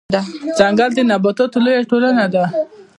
ځنګل د نباتاتو لويه ټولنه ده